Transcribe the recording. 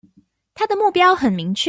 他的目標很明確